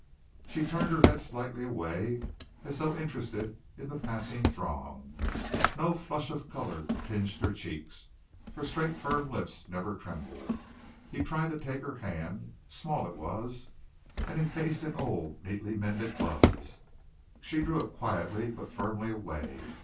She turned her head slightly away, as though interested in the passing throng. No flush of color tinged her cheeks. Her straight, firm lips never trembled. He tried to take her hand, small it was, and encased in old, neatly mended gloves. She drew it quietly but firmly away.